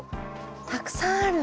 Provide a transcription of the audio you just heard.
たくさんある。